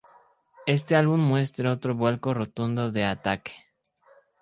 Este álbum muestra otro vuelco rotundo de Attaque.